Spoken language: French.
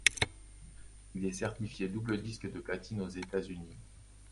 Il est certifié double disque de platine aux États-Unis.